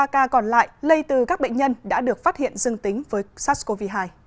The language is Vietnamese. ba ca còn lại lây từ các bệnh nhân đã được phát hiện dương tính với sars cov hai